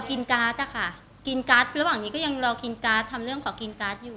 การ์ดอะค่ะกินการ์ดระหว่างนี้ก็ยังรอกินการ์ดทำเรื่องขอกินการ์ดอยู่